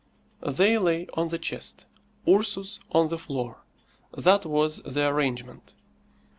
They lay on the chest, Ursus on the floor; that was the arrangement.